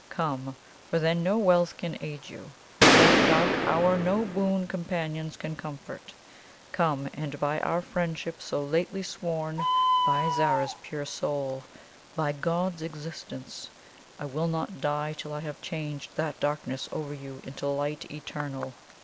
Come; for then no wealth can aid you at that dark hour no boon companions can comfort. Come; and by our friendship so lately sworn by Zara's pure soul by God's existence, I will not die till I have changed that darkness over you into light eternal!